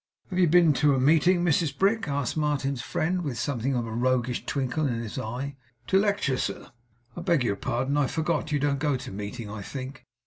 'Have you been to meeting, Mrs Brick?' asked Martin's friend, with something of a roguish twinkle in his eye. 'To lecture, sir.' 'I beg your pardon. I forgot. You don't go to meeting, I think?